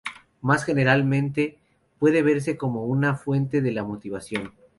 Más generalmente, puede verse como una fuente de la motivación.